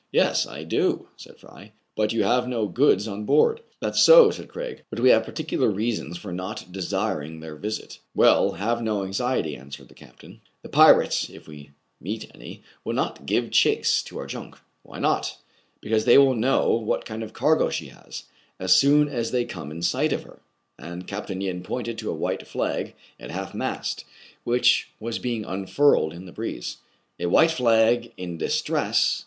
"Yes, I do, said Fry. "But you have no goods on board. "That*s so, added Craig; "but we have par ticular reasons for not desiring theif visit. "Well, have no anxiety, answered the captain. 196 TRIBULATIONS OF A CHINAMAN, The pirates, if we meet any, will not give chase to our junk." " Why not ?'* "Because they will know what kind of cargo she has, as soon as they come in sight of her/' And Capt. Yin pointed to a white flag at half mast, which was being unfurled in the breeze. A white flag in distress